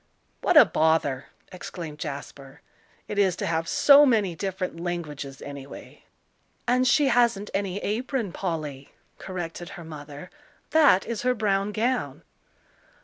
"What a bother," exclaimed Jasper, "it is to have so many different languages, anyway!" "And she hasn't any apron, Polly," corrected her mother; "that is her brown gown."